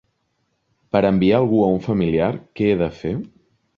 Per enviar algú a un familiar, què he de fer?